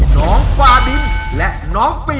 น้องฟาบินในยกนี้